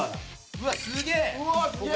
うわっすげえ！